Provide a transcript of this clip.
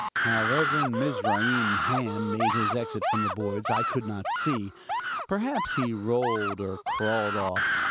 How the Rev. Mizraim Ham made his exit from the boards I could not see perhaps he rolled or crawled off.